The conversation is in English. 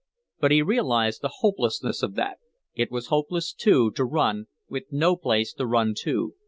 But he realized the hopelessness of that; it was hopeless too, to run, with no place to run to.